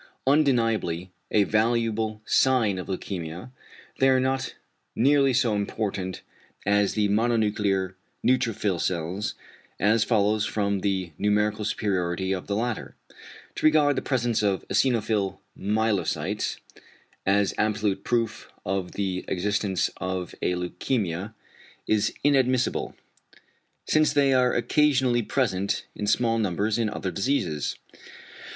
Undeniably a valuable sign of leukæmia, they are not nearly so important as the mononuclear neutrophil cells, as follows from the numerical superiority of the latter. To regard the presence of "eosinophil myelocytes" as absolute proof of the existence of a leukæmia is inadmissible, since they are occasionally present in small numbers in other diseases.